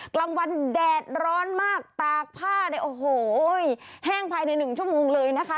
กลางวันแดดร้อนมากตากผ้าเนี่ยโอ้โหแห้งภายใน๑ชั่วโมงเลยนะคะ